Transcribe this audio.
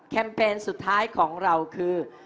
เปญสุดท้ายของเราคือ